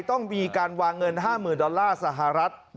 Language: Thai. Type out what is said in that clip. ต้องมีการวางเงิน๕๐๐๐๐สหรัฐ